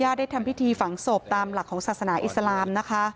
ยัดย่าได้ทำพิธีฝังโศพตามหลักของศาสนาอิสลาม